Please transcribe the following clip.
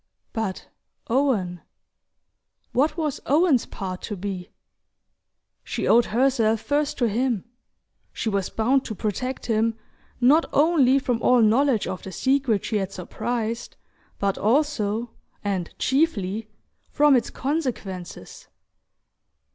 But Owen? What was Owen's part to be? She owed herself first to him she was bound to protect him not only from all knowledge of the secret she had surprised, but also and chiefly! from its consequences.